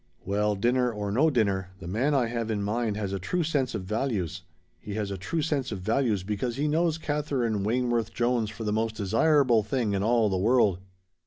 "Well, dinner or no dinner, the man I have in mind has a true sense of values. He has a true sense of values because he knows Katherine Wayneworth Jones for the most desirable thing in all the world."